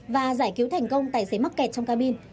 và giải cứu thành công tài xế mắc kẹt trong cabin